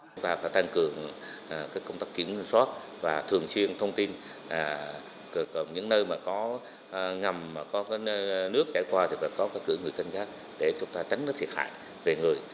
chúng ta phải tăng cường công tác kiểm soát và thường xuyên thông tin những nơi có ngầm có nước chảy qua thì phải có cửa người canh gác để chúng ta tránh thiệt hại về người